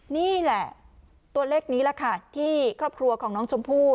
นี่แหละตัวเลขนี้แหละค่ะที่ครอบครัวของน้องชมพู่